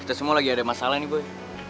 kita semua lagi ada masalah nih bu